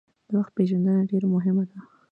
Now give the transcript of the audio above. د وخت پېژندنه ډیره مهمه ده.